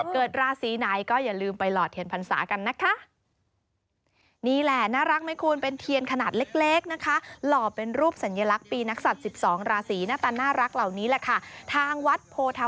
เกิดราศีไหนก็อย่าลืม